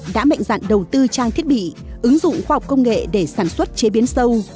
đã mạnh dạn đầu tư trang thiết bị ứng dụng khoa học công nghệ để sản xuất chế biến sâu